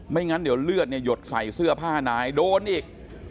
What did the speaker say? งั้นเดี๋ยวเลือดเนี่ยหยดใส่เสื้อผ้านายโดนอีก